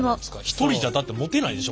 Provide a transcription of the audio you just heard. １人じゃだって持てないでしょ